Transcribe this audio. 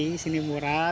di sini murah